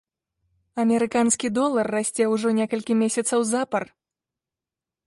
Амерыканскі долар расце ўжо некалькі месяцаў запар.